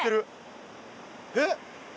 えっ？